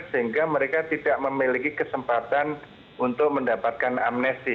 sehingga mereka tidak memiliki kesempatan untuk mendapatkan amnesti